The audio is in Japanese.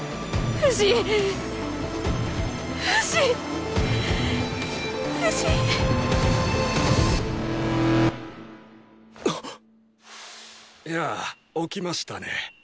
フシ。やぁ起きましたね。